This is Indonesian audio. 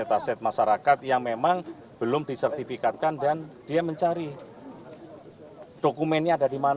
untuk sesuai dengan pembukaan anggota bendang tni dan intalannya terkait permasalahan